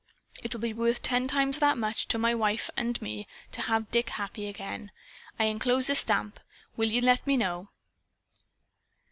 It will be worth ten times that much, to my wife and me, to have Dick happy again. I inclose a stamp. Will you let me know?"